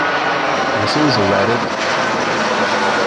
Você usa o Reddit?